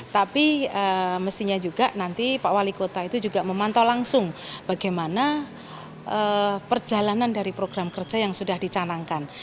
tapi mestinya juga nanti pak wali kota itu juga memantau langsung bagaimana perjalanan dari program kerja yang sudah dicanangkan